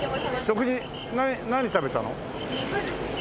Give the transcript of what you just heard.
食事何食べたの？